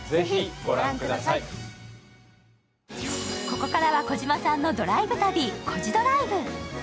ここからは児嶋さんのドライブ旅、「コジドライブ」。